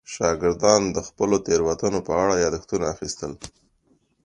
شاګردانو د خپلو تېروتنو په اړه یادښتونه اخیستل.